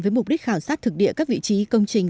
với mục đích khảo sát thực địa các vị trí công trình